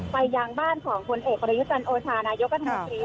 ไปยังบ้านของคนเอกบริยุกันโอชานายกฎรมกรี